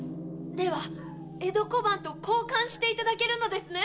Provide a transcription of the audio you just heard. では江戸小判と交換していただけるのですね？